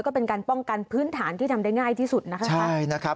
ก็เป็นการป้องกันพื้นฐานที่ทำได้ง่ายที่สุดนะคะใช่นะครับ